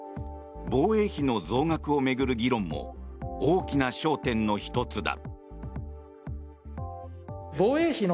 防衛費の増額を巡る議論も大きな焦点の一つだ。